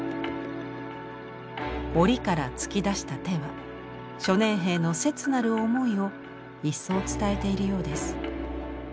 檻から突き出した手は初年兵の切なる思いをいっそう伝えているようです。